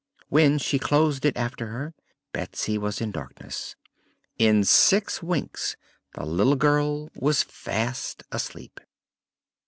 When she closed it after her Betsy was in darkness. In six winks the little girl was fast asleep.